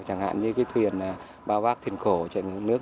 chẳng hạn như cái thuyền bao bác thuyền khổ ở trần quốc